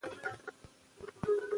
هغه توری چې زور لري باید نرم وویل شي.